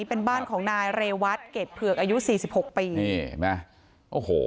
เห็นไหมโอ้โห